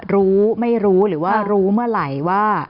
รู้ไม่รู้หรือว่ารู้เมื่อไหร่ว่า